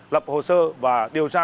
lập hồ sơ và điều tra